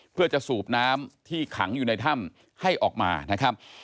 เพื่อจะสูบน้ำที่ขังอยู่ในถ้ำให้ออกมานะครับ